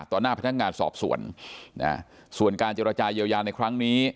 หน้าพนักงานสอบสวนส่วนการเจรจาเยียวยาในครั้งนี้